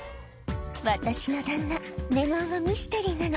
「私の旦那寝顔がミステリーなの」